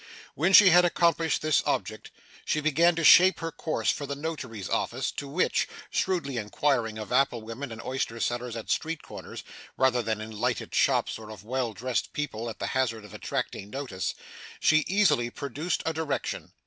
When she had accomplished this object, she began to shape her course for the notary's office, to which shrewdly inquiring of apple women and oyster sellers at street corners, rather than in lighted shops or of well dressed people, at the hazard of attracting notice she easily procured a direction.